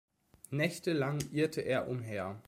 Nächtelang irrte er umher.